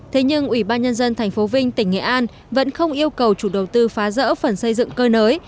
thế nhưng ủy ban nhân dân tp vinh tỉnh nghệ an vẫn không yêu cầu chủ đầu tư phá rỡ phần xây dựng cơ nới